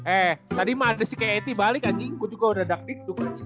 eh tadi mah ada si k a t balik anjing gue juga udah ducked itu kan